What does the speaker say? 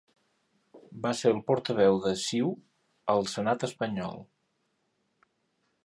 Va ser el Portaveu de CiU al Senat espanyol.